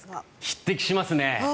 匹敵しますね。